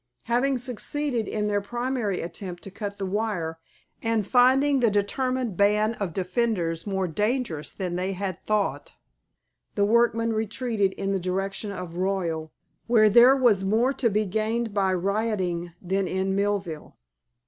Having succeeded in their primary attempt to cut the wire, and finding the determined band of defenders more dangerous than they had thought, the workmen retreated in the direction of Royal, where there was more to be gained by rioting than in Millville.